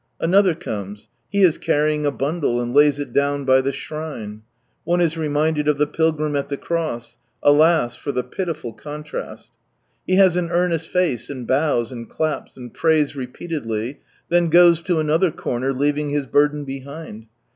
Another conies ; he is carrying a bundle, and lays it down by the shiine. One is reminded of the Pilgrim at ihe Cross — alas, for the pitiful contrast! He has an earnest face, and bows, and claps, and prays repeatedly : then goes lo another corner, leaving his burden behind.